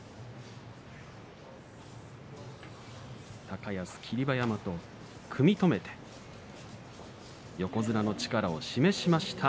高安、霧馬山と組み止めて横綱の力を示しました